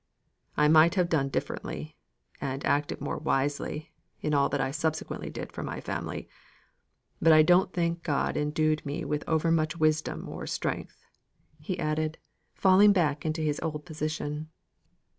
I might have done differently, and acted more wisely, in all that I subsequently did for my family. But I don't think God endued me with over much wisdom or strength," he added, falling back into his old position.